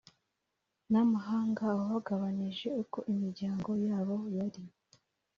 n amahanga wabagabanije uko imiryango yabo yari